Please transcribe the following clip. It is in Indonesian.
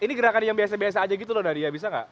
ini gerakan yang biasa biasa aja gitu loh nadia bisa nggak